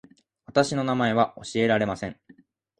私の名前は教えられません